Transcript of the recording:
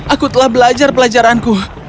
aku telah belajar pelajaranku